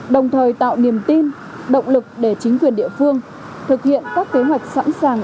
đồng thời tạo niềm tin động lực để chính quyền địa phương thực hiện các kế hoạch sẵn sàng